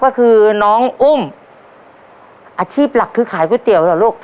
ก็คือน้องอุ้มอาชีพหลักคือขายก๋วยเตี๋ยวเหรอลูก